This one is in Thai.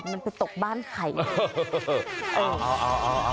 มันเป็นตกบ้านไข่